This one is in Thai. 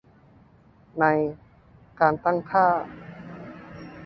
ใน การตั้งค่า